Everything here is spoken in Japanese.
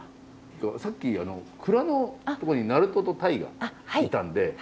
さっき蔵の所に鳴門とタイがいたんで。